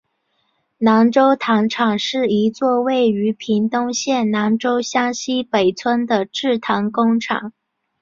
南州糖厂是一座位于屏东县南州乡溪北村的制糖工厂。